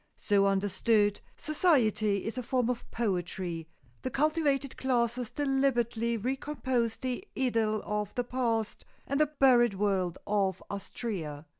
So understood, society is a form of poetry; the cultivated classes deliberately recompose the idyll of the past and the buried world of Astrea.